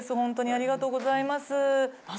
ありがとうございます。